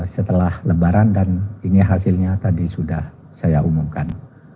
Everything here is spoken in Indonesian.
setelah lebaran dan ini hasilnya tadi sudah saya umumkan